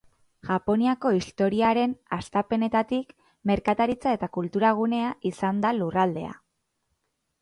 Japoniako historiaren hastapenetatik, merkataritza- eta kultura-gunea izan da lurraldea.